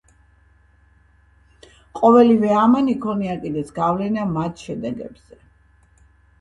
ყოველივე ამან იქონია კიდეც გავლენა მათ შედეგებზე.